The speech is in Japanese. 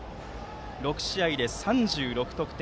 ６試合で３６得点。